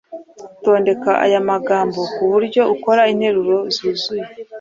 Tondeka aya magambo ku buryo ukora interuro zuzuye